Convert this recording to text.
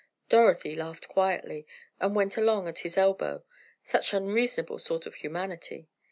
Dorothy laughed quietly, and went along at his elbow. Such unreasonable sort of humanity!